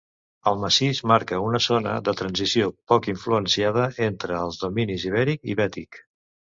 El massís marca una zona de transició poc influenciada entre els dominis ibèric i bètic.